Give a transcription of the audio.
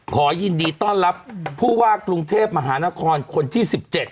ขอยินดีต้อนรับผู้ว่ากรุงเทพมหานครคนที่๑๗